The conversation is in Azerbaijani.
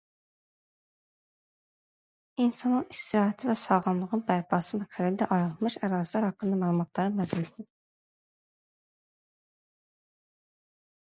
İnsanın istirahəti və sağlamlığının bərpası məqsədilə ayrılmış ərazilər haqqında məlumatların məcmusu.